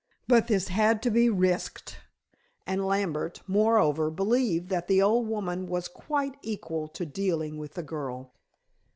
But this had to be risked, and Lambert, moreover, believed that the old woman was quite equal to dealing with the girl.